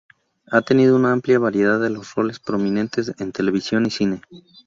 Ha tenido una amplia variedad de roles prominentes en televisión y cine.